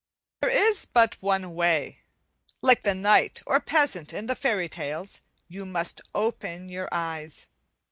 There is but one way. Like the knight or peasant in the fairy tales, you must open you eyes.